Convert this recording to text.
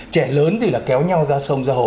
trẻ lớn thì kéo nhau ra sông ra hồ